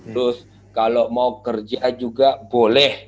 terus kalau mau kerja juga boleh